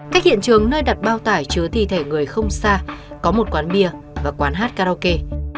cách hiện trường nơi đặt bao tải chứa thi thể người không xa có một quán bia và quán hát karaoke